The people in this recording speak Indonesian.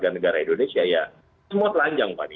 negara indonesia ya semua telanjang pak